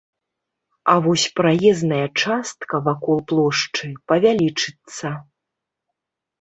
А вось праезная частка вакол плошчы павялічыцца.